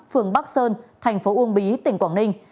phường bắc sơn thành phố uông bí tỉnh quảng ninh